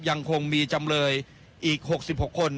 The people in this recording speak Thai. ยังคงมีจำเลยอีก๖๖คน